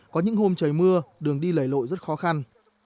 có những hôm trời mưa đường đi lầy lội rất khó khăn